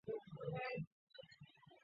让这些都督府实质上独立于总督。